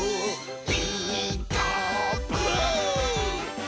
「ピーカーブ！」